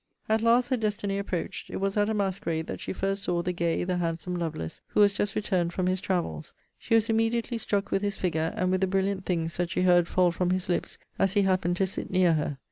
At last, her destiny approached. It was at a masquerade that she first saw the gay, the handsome Lovelace, who was just returned from his travels. She was immediately struck with his figure, and with the brilliant things that she heard fall from his lips as he happened to sit near her.